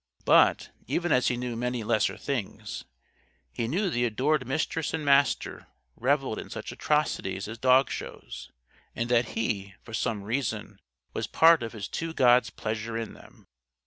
But even as he knew many lesser things he knew the adored Mistress and Master reveled in such atrocities as dog shows; and that he, for some reason, was part of his two gods' pleasure in them.